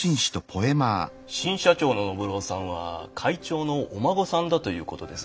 新社長の宣郎さんは会長のお孫さんだということですが。